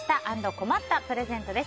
困ったプレゼントです。